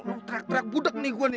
lu terak terak budak nih gua nih